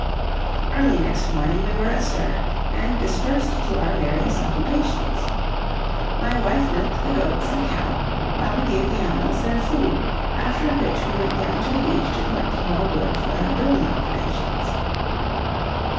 Early next morning we were astir, and dispersed to our various occupations. My wife milked the goats and cow, while we gave the animals their food, after which we went down to the beach to collect more wood for our building operations.